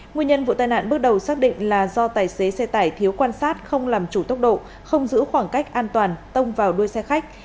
nguyên nhân vụ tai nạn bước đầu xác định là do tài xế xe tải thiếu quan sát không làm chủ tốc độ không giữ khoảng cách an toàn tông vào đuôi xe khách